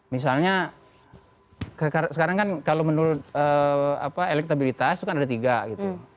misalnya sekarang kan kalau menurut elektabilitas itu kan ada tiga gitu